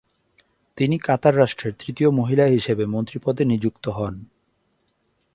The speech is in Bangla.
তিনি কাতার রাষ্ট্রের তৃতীয় মহিলা হিসেবে মন্ত্রী পদে নিযুক্ত হন।